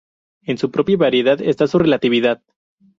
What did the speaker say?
En su propia variedad está su relatividad.